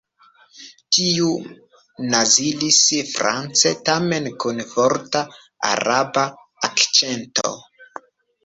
Tiu nazalis France tamen kun forta Araba akĉento.